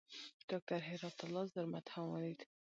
ډاکټر هرات الله زرمت هم ولید.